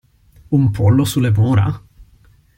Un pollo sulle mura?!